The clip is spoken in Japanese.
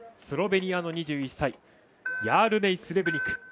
スロベニアの２１歳ヤールネイ・スレブニク。